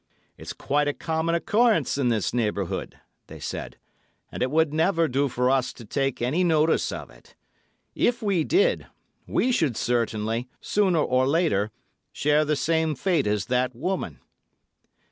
"It's quite a common occurrence in this neighbourhood," they said, "and it would never do for us to take any notice of it. If we did, we should certainly, sooner or later, share the same fate as that woman."